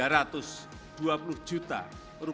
rp tiga ratus dua puluh juta per kapita per tahun